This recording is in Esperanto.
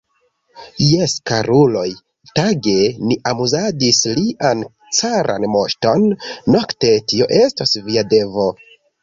Jes, karuloj, tage ni amuzadis lian caran moŝton, nokte tio estos via devo.